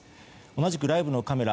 同じくライブのカメラ